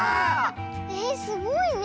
えっすごいね。